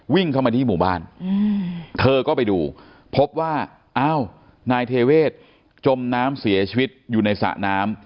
วิ่งเข้ามาที่หมู่บ้านเธอก็ไปดูพบว่าอ้าวนายเทเวศจมน้ำเสียชีวิตอยู่ในสระน้ำ